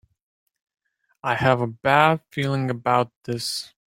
I have a bad feeling about this!